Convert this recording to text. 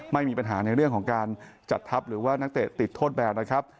ไม่มีปัญหาในเรื่องของการจัดทัพหรือว่านักเตะติดโทษแบบนะครับ